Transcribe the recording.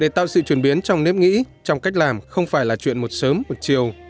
để tạo sự chuyển biến trong nếp nghĩ trong cách làm không phải là chuyện một sớm một chiều